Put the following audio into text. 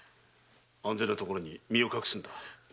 安全なところに身を隠すのだ。